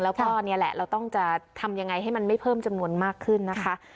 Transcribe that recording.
แล้วก็นี่แหละเราต้องจะทำยังไงให้มันไม่เพิ่มจำนวนมากขึ้นนะคะ